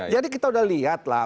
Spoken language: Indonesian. jadi kita sudah lihat lah